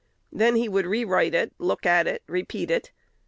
Then he would re write it, look at it, repeat it.